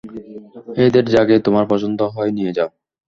এদের যাকে তোমার পছন্দ হয় নিয়ে যাও।